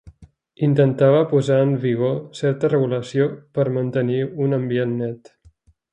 Intentava posar en vigor certa regulació per mantenir un ambient net.